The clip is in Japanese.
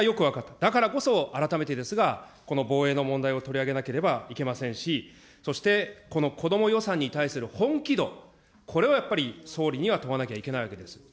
だからこそ、改めてですが、この防衛の問題を取り上げなければいけませんし、そして、この子ども予算に対する本気度、これをやっぱり総理には問わなきゃいけないわけです。